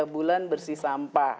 tiga bulan bersih sampah